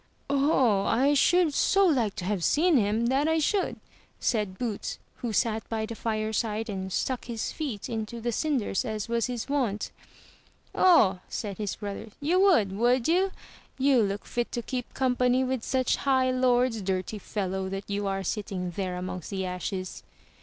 '* 0h ! I should so like to have seen him, that I should," said Boots, who sat by the fireside, and stuck his feet into the cinders as was his wont. '*0h!'' said his brothers, yo^ would, would you? You look fit to keep company with such high lords, dirty fellow that you are sitting there amongst the ashes.'